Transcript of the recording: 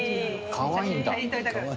かわいいんだ。